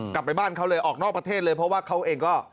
กลับไปบ้านเขาเลยออกนอกประเทศเลยเพราะว่าเขาเองก็